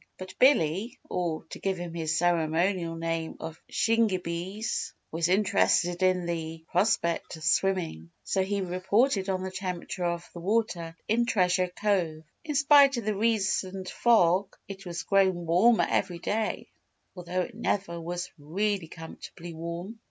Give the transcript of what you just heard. But Billy or to give him his ceremonial name of Shingebis was interested in the prospect of swimming, so he reported on the temperature of the water in Treasure Cove. In spite of the recent fog it was growing warmer every day although it never was really comfortably warm.